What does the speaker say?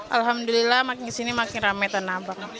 alhamdulillah makin kesini makin rame tanah abang